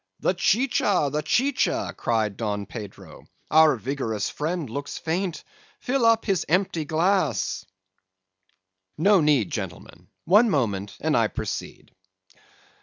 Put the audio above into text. "'The chicha! the chicha!' cried Don Pedro; 'our vigorous friend looks faint;—fill up his empty glass!' "No need, gentlemen; one moment, and I proceed.